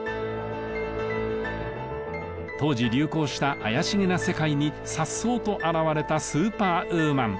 当時流行した怪しげな世界にさっそうと現れたスーパーウーマン。